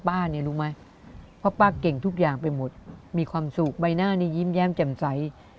ป้าเนี่ยรู้ไหมเพราะป้าเก่งทุกอย่างไปหมดมีความสุขใบหน้านี้ยิ้มแย้มแจ่มใส